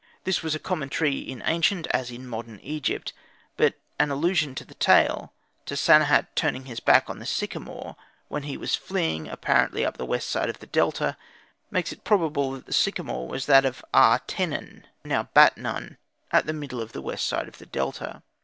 This was a common tree in ancient, as in modern, Egypt; but an allusion in the tale, to Sanehat turning his back on the sycamore, when he was fleeing apparently up the west side of the Delta, makes it probable that the sycamore was that of Aa tenen, now Batnun, at the middle of the west side of the Delta.